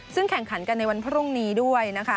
ซึ่งแข่งขันกันในวันพรุ่งนี้ด้วยนะคะ